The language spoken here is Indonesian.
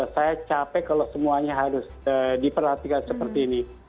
saya capek kalau semuanya harus diperhatikan seperti ini